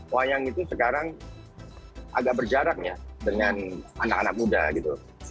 wayang itu sekarang agak berjarak ya dengan anak anak muda gitu